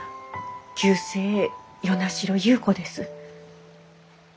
旧姓与那城優子です。